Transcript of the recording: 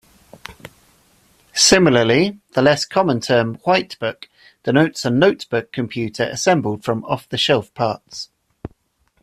Similarly, the less-common term "whitebook" denotes a notebook computer assembled from off-the-shelf parts.